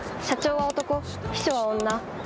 社長は男秘書は女。